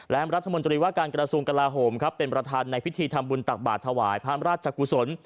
และรัฐมนตรีว่าการกระทรวงกลาโหมครับเป็นประธานในพิธีทำบุญตักบาทถวายพระราชกุศล